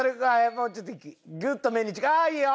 もうちょっとグッと目に力ああいいよ！